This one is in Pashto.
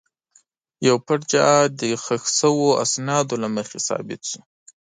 یو پټ جهاد د ښخ شوو اسنادو له مخې ثابت شو.